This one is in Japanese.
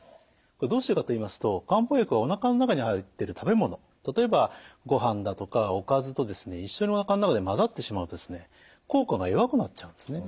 どうしてかと言いますと漢方薬はおなかの中に入ってる食べ物例えばごはんだとかおかずと一緒におなかの中で混ざってしまうと効果が弱くなっちゃうんですね。